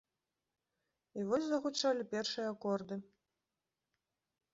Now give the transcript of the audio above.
І вось загучалі першыя акорды.